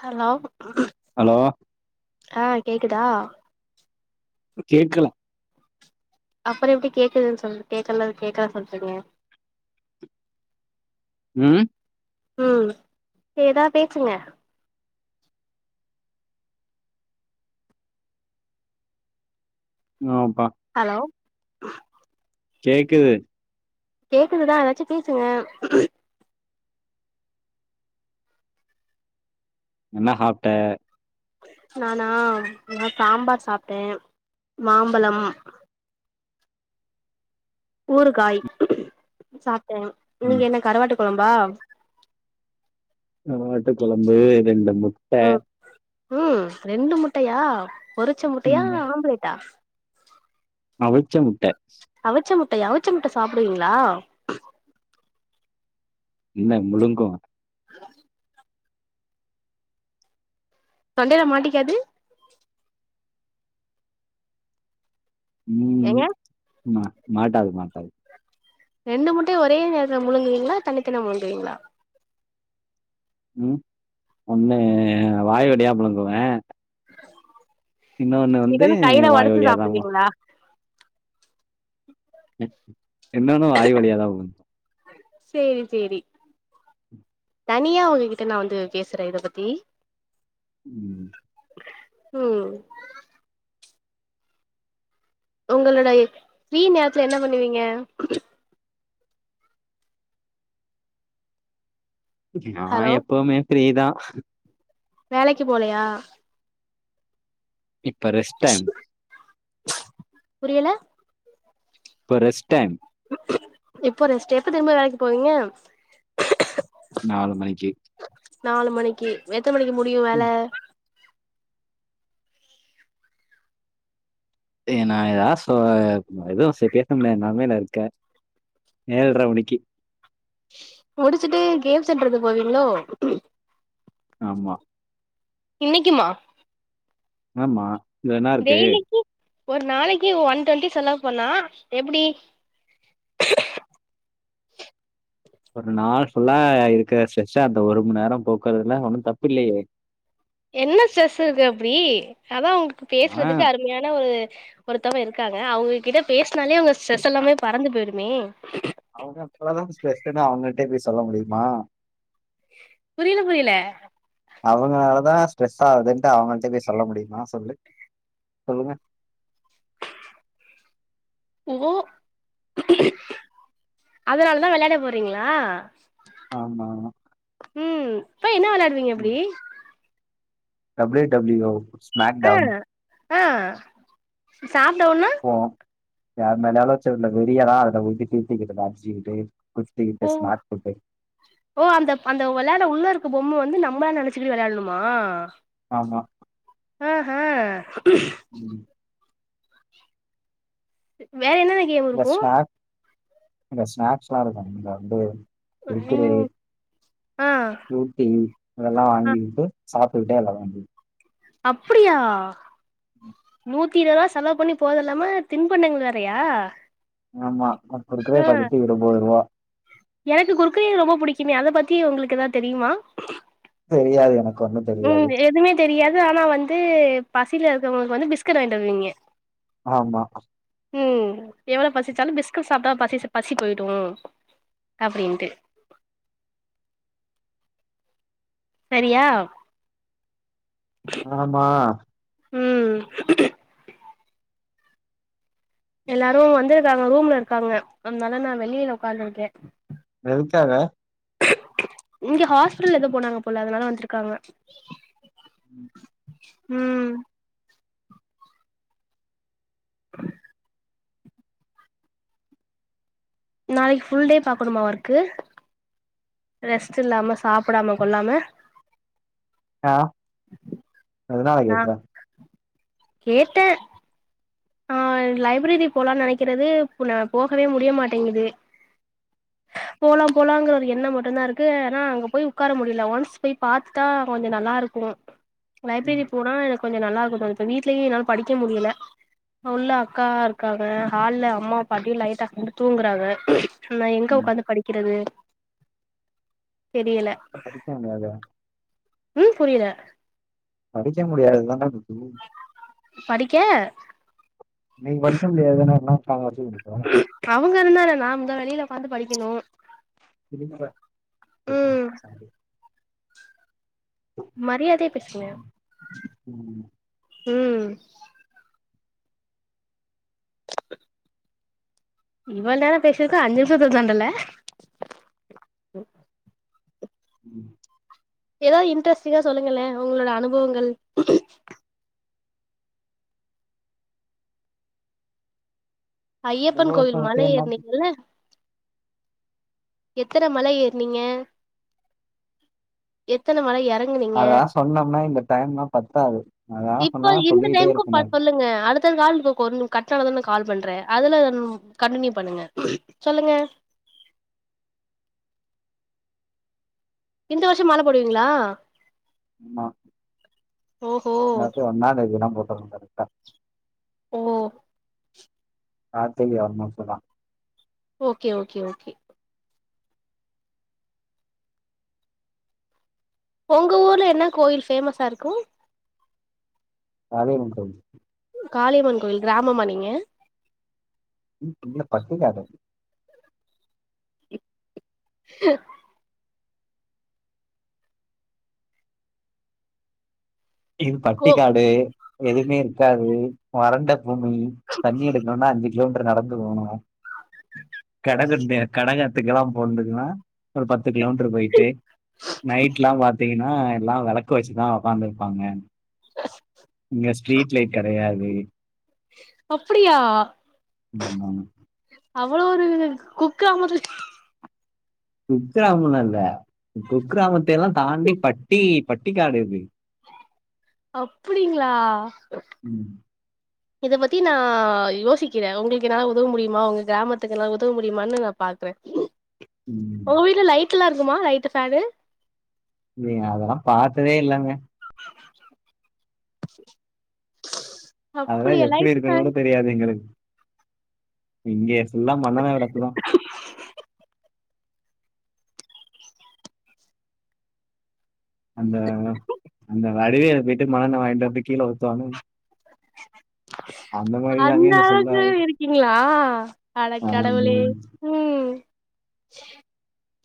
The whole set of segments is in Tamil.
ஹலோ ஹலோ ஆ கேக்குதா எ கேக்குறோ அப்பற எப்டி கேக்குதுன் சொல்ட்டு கே்கலன் கேக்குற சொல்றீங்க ம் ம் எதா பேசுங்க நாப் ஹலோ கேக்குது கேக்குதுனா எதாச்சு பேசுங்க என்ன சாப்ட்ட நானா இப்ப சாம்பார் சாப்ட்டே மாம்பழம் ஊறுகாய் சாப்ட்டே நீங்க ம் என்ன கருவாட்டு கொழம்பா கருவாட்டு கொழம்பு இது இந்த முட்ட ம் ம் ரெண்டு முட்டயா பொறிச்ச முட்டயா ஆம்ப்லேட்டா அவுச்ச முட்ட அவுச்ச முட்டயா அவுச்ச முட்ட சாப்டுவீங்ளா இன்ன முழுங்குவோ தொண்டையில மாட்டிக்காது ஏங்க ம் மா மாட்டாது மாட்டாது ரெண்டு முட்டைய ஒரே நேரத்ல முழுங்குவீங்ளா தனித்தனியா முழுங்குவீங்ளா ம் ஒண்ணு வாய்வழியா முழுங்குவ இன்னொன்னு கையில வாய் ஒடச்சு வழியாதா சாப்டுவீங்ளா இன்னொன்னும் வாய் வழியாதான் போ சேரி சேரி தனியா உங்ககிட்ட நா வந்து பேசுற இத பத்தி ம் ம் உங்களுடய ஃப்ரீ நேரத்துல என்ன பண்ணுவீங்க நா எப்பவுமே ஃப்ரீதா வேலைக்கி போலயா இப்ப ரெஸ்ட்டைம் புரியல இப்ப ரெஸ்ட் டைம் இப்போ ரெஸ்ட் டைம் எப்ப திரும்ப வேலைக்கி போவீங்க நாலு மணிக்கி நாலு மணிக்கி எத்தன மணிக்கு முடியு வேல ஏ நா ஏதாவ் சொ எதுவு பேச முடியாத நெலமயில இருக்கேன் ஏழ்ர மணிக்கி முடிச்சிட்டு கேம் சென்றுக்கு போவீங்ளோ ஆமா இன்னைக்குமா ஆமா இதுல என்னா இருக்கு டெய்லிக்கு ஒரு நாளக்கி ஒன் டுவெண்டி செலவு பண்ணா எப்டி ஒரு நாள் ஃபுல்லா இருக்குற ஸ்ட்ரெஸ்அ அந்த ஒரு மண் நேரம் போக்குறதுல ஒன்னு தப்பு இல்லையே என்ன ஸ்ட்ரெஸ் இருக்கு அப்டி அதான் உங்களுக்கு ஆ பேசுறதுக்கு அருமையான ஒரு ஒருத்தவுங்க இருக்காங்க அவுங்ககிட்ட பேசுனாலே உங்க ஸ்ட்ரெஸ் எல்லாமே பறந்து பேயிடுமே அவுங்க அப்பளதான் ஸ்ட்ரெஸ் ன்னு அவுங்கிட்டயே போய் சொல்ல முடியுமா புரியில புரியில அவுங்களாலதா ஸ்ட்ரெஸ் ஆகுதுன்ட்டு அவங்கள்ட பேய் சொல்ல முடியுமா சொல்லு சொல்லுங்க ஓ அதனாலதா வெளையாட போறீங்ளா ஆமாமா போய் என்ன வெளையாடுவீங்க அப்டி டபுள்யூ டபுள்யூ ஆ மேக்டவுன் ஆ சாப்டவுன்னா போ யார் மேலயாவ்து வச்சிருந்த வெரியதா அத [unintelligible] தீர்த்திக்கிட்டு அச்சிக்கிட்டு ஓ ஓ அந்த அந்த வெளாட உள்ள இருக்க பொம்ம வந்து நம் பன் நெனச்சக்கிட்டு வெளையாடணுமா ஆமா ஆஹ ம். வேற என்னென்ன கேம் இருக்கூ அங்க ஸ்நாக்ஸ்ல்லா இருக்கும் இந்த வந்து குர்க்குரே ம் ஆ ஃப்ரூட்டி அதெல்லா அ வாங்கிகிட்டு சாப்டுகிட்டே வெளால்லாம் அப்புடியா நூத் த்தி இருவருவா செலவு பண்ணி போரதுல்லாம திண்பண்டங்கள் வேறையா ஆமா மப்பரு பகுத்து இருபது ரூவா எனக்கு குர்க்குரே ரொம்ப புடிக்குமே அத பத்தி உங்களுக்கு ஏதா தெரியுமா தெரியாது எனக் ம் எதுவுமே தெரியாது ஆனா வந்து பசியில இருக்கவங்களுக்கு வந்து பிஸ்கட் வாங்கிட்டு வருவீங்க ஆமா ம் எவ்ளோ பசிச்சாலு பிஸ்கட் சாப்ட்டா பசி பசி போய்டு அப்டின்ட்டு சரியா ஆமா ம் எல்லாரு வந்திருக்காங்க ரூம்ல இருக்காங்க அதனால நா வெளியில உட்காந்ருக்கே எதுக்காக இங்க ஹாஸ்பிடல் எதோ போனாங்க போல அதனால வந்துருக்காங்க ம் ம் ஆ நாளைக்கு ஃபுல் டே பாக்கணுமா ஒர்க்கு ரெஸ்ட் இல்லாம சாப்டாம கொல்லாம ஆ எதனால நா கேக்குற கேட்டே ஆ லைப்ரரி போலான் நெனைக்கிறது நா போகவே முடிய மாட்டேங்குது போலா போலாங்கற ஒரு எண்ண மட்டுந்தா இருக்கு ஆனா அங்க போய் உக்கார முடியல ஒன்ஸ் போய் பாத்துட்டா கொஞ்ச நல்லா ல்லா இருக்கு லைப்ரரி ம் போனா எனக்கு கொஞ்ச நல்லா இருக்கு தோணு இப்ப வீட்லயு என்னால படிக்க முடியல உள்ள அக்கா இருக்காங்க ஹால்ல அம்மா பாட்டி லைட் ஆஃப் பண்ட்டு தூங்குறாங்க நா எங்க ம். உக்காந்து படிக்கிறது தெரியல படிக்கமாத ம் புரியல படிக்க முடியாதுதான தூகி படிக்க நீ படிக்க முடியாதுன்னா [unintelligible] அவங்க இருந்தான நா தா வெளியில உக்காந்து படிக்கணு ம் [unintelligible] மரியாதை பேசுங்க ம் ம் இவள் நேர பேசிருக்கோ அஞ்சு நிமிஷத்த தாண்டல ம் ஏதாது இன்ட்ரெஸ்ட்டிங்கா சொல்லுங்கள உங்களோட அனுபவங்கள் ஐயப்பன் கோவில் அனுபவத்த மல என்ன ஏற்னிங்கல எத்தன மல ஏற்னீங்க எத்தன மல எ றங்கனீங்க அதா சொன்னோம்னா இந்த டைம்லா பத்தாது அதா இப்போ சொன்னா இந்த சொல்லிக்கிட்டே டைமுக்கு இருப்பனாரு சொல்லுங்க அடுத் அடுத்த கால் கட்டாணது நா கால் பண்றே அதுல கண்டினியூ பண்ணுங்க சொல்லுங்க இந்த வருஷ மால போடுவீங்களா ஆமா ஓஹோ இந்த வாட்டி ஒன்னாந் தேதிலா போட்டுறனு கரக்டா ஓ ஆ தெரிய வர்மா சொல்லா ஓகே ஓகே ஓகே உங்க ஊர்ல என்ன கோயில் ஃபேமஸா இருக்கு மாரியம்மன் கோவில் காளியம்மன் கோயில் கிராமமா நீங்க ம் இல்ல பட்டிக்காடு ஹ இது கோ பட்டிக்காடு எதுவுமே இருக்காது வறண்ட பூமி தண்ணி எடுக்கணுன்னா அஞ்சு கிலோமீட்டர் நடந்து போணு கட கண்ணி கடகாத்துக்கெல்லா போண்துகன்னா ஒரு பத் பத்து கிலோமீட்டர் பொயிட்டு நைட்லா பாத்தீங்கன்னா எல்லா வெளக்கு வச்சுதா உக்காந்துரு ப்பாங்க இங்க ஸ்ட்ரீட் லைட் கெடையாது அப்புடியா ம் அவ்ளோ ஒரு குக் கிராமத்து குக் கிராமல்லா இல்ல குக்கிராமத்தெல்லா தாண்டி பட்டி பட்டி காடு இது அப்புடிங்ளா ம் இத பத்தி நா யோசிக்கிறே உங்களுக்கு என்னால உதவ முடியுமா உங்க கிராமத்துக்கு என்னால உதவ முடியுமான்னு நா பாக்றே றே ம் உங்க வீட்டுல லைட்ல்லா இருக்குமா லைட்டு ஃபேனு நீங்க அதெல்லா பாத்ததே இல்லங்க அதல்லா அப்டியா எப்புடி லைட்டு இருக்குணு ஃபேன் கூட தெரியாது எங்களுக்கு இங்க எல்லா மண்ணென்ன வெளக்கு தா அந்த அந்த வடிவேல் போயிட்டு மண்ணெண்ண வாங்கிட்டு வந்து கீழ ஊத்துவாங்க அந்த மாரிதாங்க அந்த இங்க அளவுக்கு ஃபுல்லாவே இருக்கீங்களா அட ஆமா கடவுளே ம்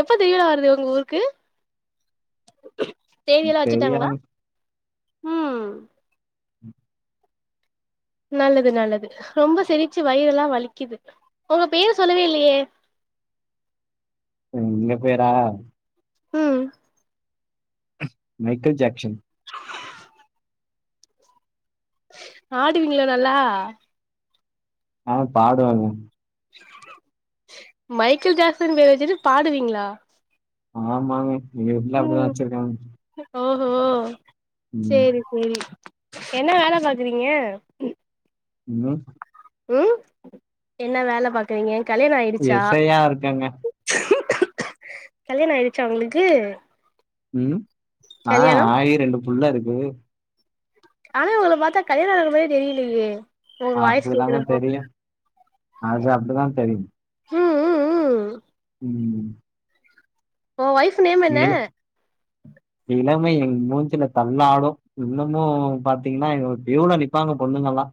எப்ப திருவிழா வருது உங்க ஊருக்கு தேதியெல்லா வச்சுட்டாங்களா தெரியலங்க ம் நல்லது நல்லது ரொம்ப சிரிச்சு வயிரெல்லா வலிக்கிது உங்க பேரு சொல்லுவே இல்லேயே எங்க பேரா ம் மைக்கல் ஜாக்ஸ்சன் ஆடுவீங்களா நல்லா ஆ பாடுவேங்க மைக்கேல் ஜாக்சன் வேற வச்சுட்டு பாடுவீங்ளா ஆமாங்க எங்க வீட்ல அப்டிதா வச்சுருக்காங்க ஓஹோ செரி செரி என்ன வேல பாக்குறீங்க ம் ம் என்ன வேல பாக்குறீங்க கல்யாணோ ஆயிடுச்சா எஸ் ஐ யா இருக்கேங்க கல்யாணோ ஆயிடுச்சா உங்களுக்கு ம் ஆ கல்யாணம் ஆயி ரெண்டு புள்ள இருக்கு ஆனா உங்கள பாத்தா கல்யாணோ ஆனவுங்க மாரியே தெரியலையே உங்க வாய்ஸ் அப்புடிதாங்க கேக்குறப்போ தெரியு அது அப்டிதா தெரியு ம் ம் ம் ம் ஒங்க ஒய்ஃப் நேம் என்ன இள இளமை என் மூஞ்சுல தள்ளாடு இன்னமு பாத்தீங்கன்னா இங்க ஒரு கிவுல நிப்பாங்க போ பொண்ணுங்களா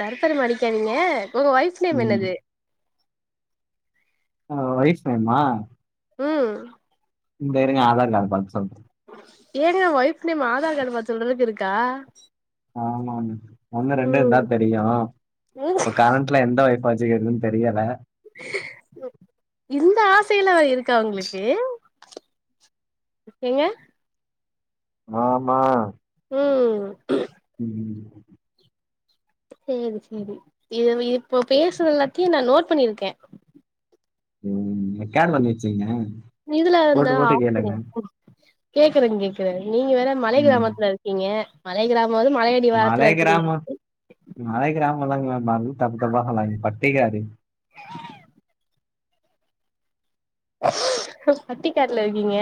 தர் பெரும அடிக்காதிங்க உங்க வைய்ப் நேம் ம் என்னது எங்க வைஸ் நேமா ம் இந்த இருங்க ஆதார் காடு பாத்து சொல்ற ஏங்க ஒய்ஃப் நேமு ஆதார் காடு பாத் சொல்றளவ்க் இருக்கா அ ஆமா [unintelligible] ஒ ஒண்ணு ரெண்டு ம் இருந்தா தெரியு ம் இப்போ கரண்ட்ல எந்த வைஃப் [unintelligible] து எதுன் தெரியல இந்த ஆசையிலா வே இருக்கா உங்ளுக்கு ஏங்க ஆமா ம் [inaudible] சேரி செரி இதுவு இப்போ பேசுற எல்லாத்தியு நா நோட் பண்ணிருக்கே ம் ரெக்காடு பண்ணி வெச்சீங்க இதுல இந்தா [inaudible] கேக்குற கேக்குற நீங்க வேற மலை ம் கிராமத்ல இருக்கீங்க மலை கிரா மோது மலையடி வாரத்துல இருக்கிங் [inaudible] [unintelligible] மாரி தப்பு தப்பா சொல்லாதிங்க பட்டிகாடு பட்டிக்காட்ல இருகீங்க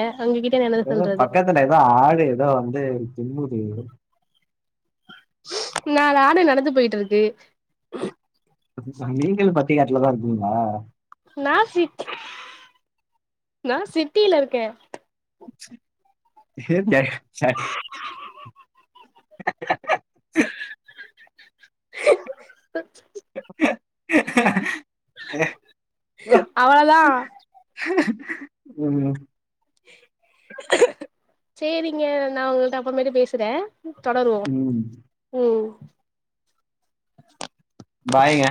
எதோ பக்கத்துல எதோ ஆடு எதோ வந்து ஜிம்முது நாலு ஆடு நடந்து போயிட்டுருக்கு நீங்களு பட்டி காட்லதா இருக்கிங்ளா நா சிட்டி நா சிட்டில இருக்கே [unintelligible] அவளதா ம் சேரிங்க நா உங்கள்ட அப்பற்மேட்டு பேசுறே தொடருவோ ம் ம் பாய்ங்க